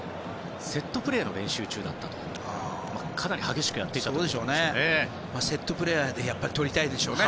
セットプレーの練習中だったということでかなり激しくやっていたということでしょうね。